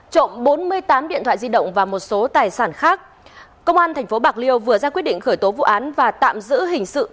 trộm bốn mươi tám điện thoại di động và một số tài sản khác công an tp bạc liêu vừa ra quyết định khởi tố vụ án và tạm giữ hình sự